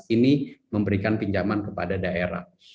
ini memberikan pinjaman kepada daerah